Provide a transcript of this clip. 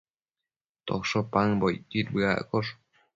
tosho paëmbocquid bëaccosh